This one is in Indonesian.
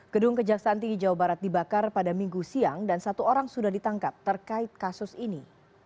gedung kejaksaan tinggi jawa barat dibakar pada minggu siang dan satu orang sudah ditangkap terkait kasus ini